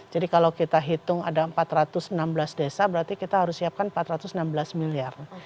jadi kalau kita hitung ada empat ratus enam belas desa berarti kita harus siapkan empat ratus enam belas miliar